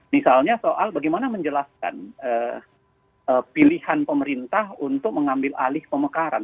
misalnya soal bagaimana menjelaskan pilihan pemerintah untuk mengambil alih pemekaran